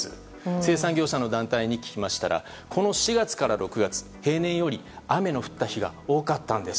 生産業者の団体に聞きましたらこの４月から６月は平年よりも雨が降った日が多かったんです。